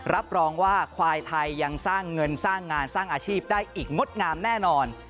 รับรองว่าควายไทยยังสร้างเงินสร้างงานสร้างอาชีพได้อีกงดงามแน่นอน